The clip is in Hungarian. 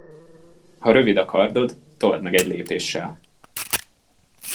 Ha rövid a kardod, toldd meg egy lépéssel.